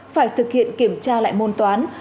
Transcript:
phải thực hiện kiểm tra lại môn toán